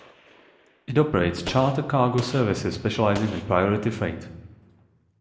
It operates charter cargo services specializing in priority freight.